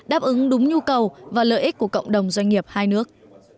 đáp ứng đúng nhu cầu và lợi ích của cộng đồng doanh nghiệp hai nước